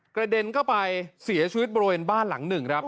กระเด็นเข้าไปเสียชีวิตบริเวณบ้านหลังหนึ่งครับ